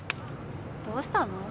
どうしたの？